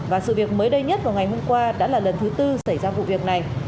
và sự việc mới đây nhất vào ngày hôm qua đã là lần thứ tư xảy ra vụ việc này